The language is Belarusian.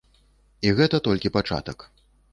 І гэта толькі пачатак!